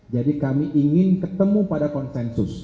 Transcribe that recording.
jadi kami ingin ketemu pada konsensus